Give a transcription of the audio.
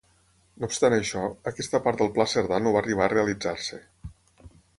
No obstant això, aquesta part del Pla Cerdà no va arribar a realitzar-se.